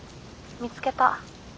見つけた。